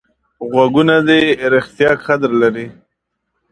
غوږونه د ریښتیا قدر لري